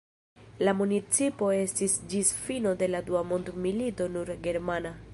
La municipo estis ĝis fino de la dua mondmilito nur germana.